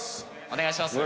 お願いします。